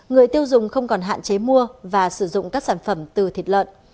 người tiêu dùng không còn hạn chế mua và sử dụng các sản phẩm từ thịt lợn